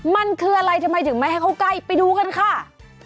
มันคืออะไรทำไมถึงไม่ให้เข้าใกล้ไปดูกันค่ะ